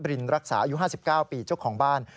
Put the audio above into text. รินรักษาอายุ๕๙ปีเจ้าของบ้าน